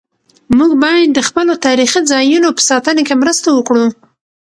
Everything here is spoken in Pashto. موږ باید د خپلو تاریخي ځایونو په ساتنه کې مرسته وکړو.